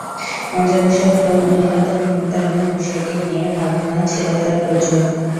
মজার বিষয় হলো, মহিলাদের ক্ষমতায়নের বিষয়টি নিয়ে ভাবনা ছিল তার প্রচুর।